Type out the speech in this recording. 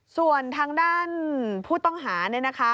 ส่วนทางด้านผู้ต้องหาเนี่ยนะคะ